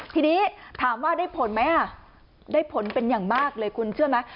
ทีนี้ถามว่าได้ผลไหมได้ผลเป็นอย่างมากเลยคุณเชื่อไหม